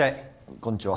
こんにちは。